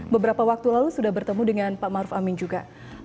beberapa waktu lalu sudah bertemu dengan pak maruf amin juga